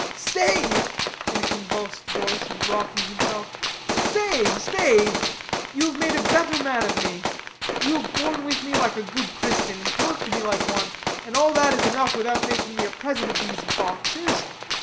"Stay," in a convulsed voice, and rocking himself, "stay, stay! You have made a better man of me. You have borne with me like a good Christian, and talked to me like one, and all that is enough without making me a present of these boxes.